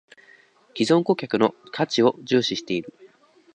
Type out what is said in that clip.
① 既存顧客の価値を重視している